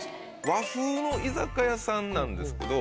和風の居酒屋さんなんですけど。